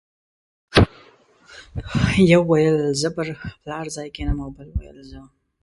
یو ویل زه پر پلار ځای کېنم او بل ویل زه.